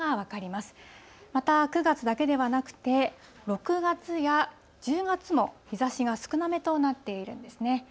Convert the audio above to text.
また９月だけではなくて、６月や１０月も日ざしが少なめとなっているんですね。